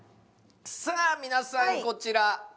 さあ皆さん、こちら。